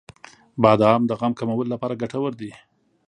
• بادام د غم کمولو لپاره ګټور دی.